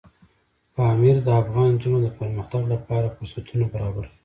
پامیر د افغان نجونو د پرمختګ لپاره فرصتونه برابروي.